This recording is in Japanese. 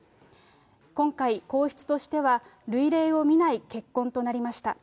今回、皇室としては、類例を見ない結婚となりました。